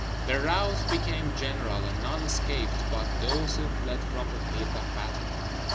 The rout became general, and none escaped but those who fled from the field of battle.